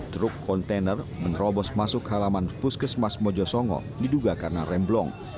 truck container menerobos masuk halaman puskesmas mojo songo diduga karena remblong